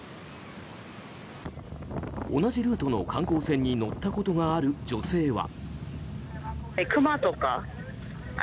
同じルートの観光船に乗ったことがある女性は。